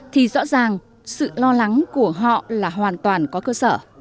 thì rõ ràng sự lo lắng của họ là hoàn toàn có cơ sở